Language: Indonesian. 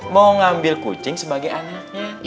mau ngambil kucing sebagai anaknya